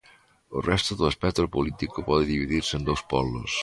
O resto do espectro político pode dividirse en dous polos.